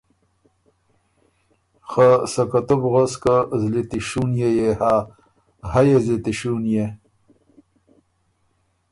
خه سکه تُو بو غؤس که زلی تِشُونيې يې هۀ، هۀ يې زلی تِشُونيې۔